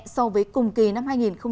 so với cùng kỳ năm hai nghìn một mươi tám